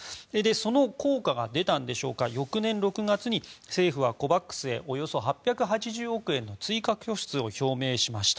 その効果が出たんでしょうか翌年６月に政府はＣＯＶＡＸへおよそ８８０億円の追加拠出を表明しました。